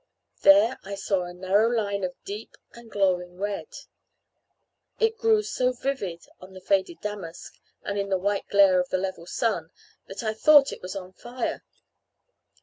There I saw a narrow line of deep and glowing red. It grew so vivid on the faded damask, and in the white glare of the level sun, that I thought it was on fire.